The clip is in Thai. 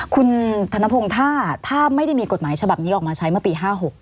คุณธนพงศ์ถ้าไม่ได้มีกฎหมายฉบับนี้ออกมาใช้เมื่อปี๕๖